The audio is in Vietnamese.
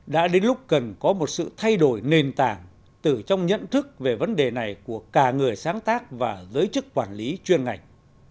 đã đến lúc cần có một sự thay đổi nền tảng từ trong nhận thức về vấn đề này của cả người sáng tác và giới chức quản lý chuyên ngành